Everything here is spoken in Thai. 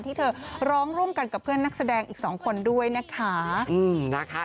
ที่เธอร้องร่วมกันกับเพื่อนนักแสดงอีกสองคนด้วยนะคะ